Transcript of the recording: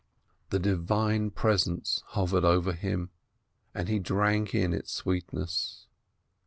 The Divine Presence hovered over him, and he drank in its sweetness.